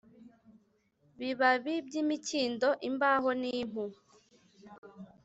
bibabi by’imikindo, imbaho n’impu.